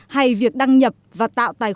hay việc đăng nhập và tạo tài khoản của học sinh